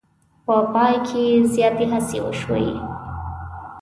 په پای کې زیاتې هڅې وشوې.